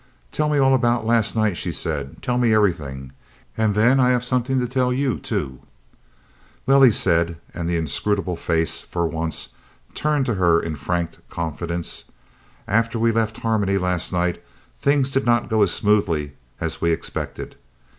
"Tell me all about last night," she said. "Tell me everything, and then I have something to tell you too." "Well," he said, and the inscrutable face was for once turned to her in frank confidence, "after we left Harmony last night things did not go as smoothly as we expected.